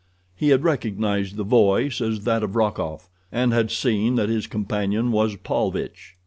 He had recognized the voice as that of Rokoff, and had seen that his companion was Paulvitch.